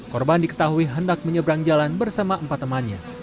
korban diketahui hendak menyeberang jalan bersama empat temannya